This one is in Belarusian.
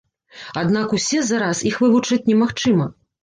Аднак усе за раз іх вывучыць немагчыма.